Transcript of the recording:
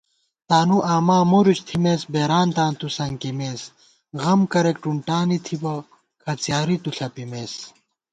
تانُوآما مُرُچ تھِمېس بېرانتاں تُوسنکِمېس * غم کرېک ٹُنٹانی تھِبہ کھڅیاری تُوݪَپِمېس